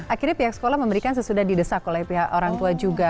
akhirnya pihak sekolah memberikan sesudah didesak oleh pihak orang tua juga